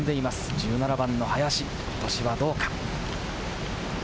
１７番の林、ことしはどうか。